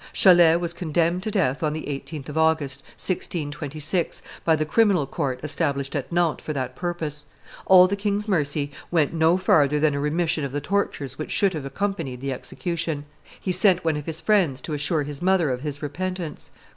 Chalais was condemned to death on the 18th of August, 1626, by the criminal court established at Nantes for that purpose; all the king's mercy went no farther than a remission of the tortures which should have accompanied th execution. He sent one of his friends to assure his mother of his repentance.